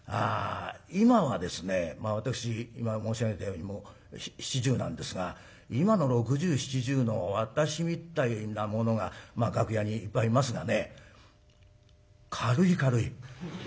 今はですね私今申し上げたように７０なんですが今の６０７０の私みたいな者が楽屋にいっぱいいますがね軽い軽い。